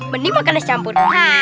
mending makan yang dicampur